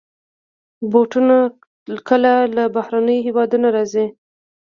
بوټونه کله له بهرنيو هېوادونو راځي.